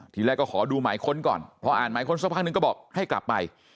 ทีแรกก็ขอดูหมายค้นก่อนพออ่านหมายค้นสักพักนึงก็บอกให้กลับไป